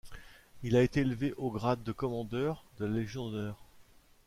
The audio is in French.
Il a été élevé au grade de commandeur de la Légion d'honneur.